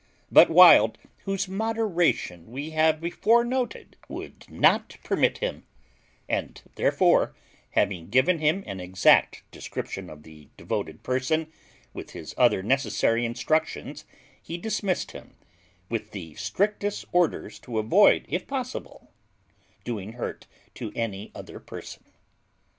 But Wild, whose moderation we have before noted, would not permit him; and therefore, having given him an exact description of the devoted person, with his other necessary instructions, he dismissed him, with the strictest orders to avoid, if possible, doing hurt to any other person.